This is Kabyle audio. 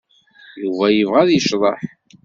Yuba yebɣa ad yecḍeḥ.